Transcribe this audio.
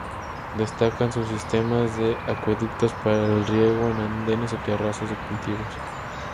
Destacan sus sistemas de acueductos para el riego en andenes o terrazas de cultivos.